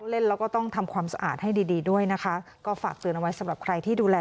เล่นแล้วก็ต้องทำความสะอาดให้ดีด้วยนะคะ